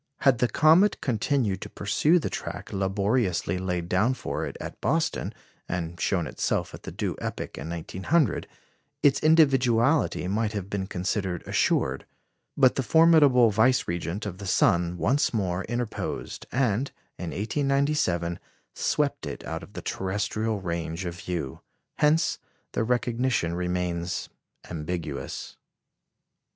Had the comet continued to pursue the track laboriously laid down for it at Boston, and shown itself at the due epoch in 1900, its individuality might have been considered assured; but the formidable vicegerent of the sun once more interposed, and, in 1897, swept it out of the terrestrial range of view. Hence the recognition remains ambiguous.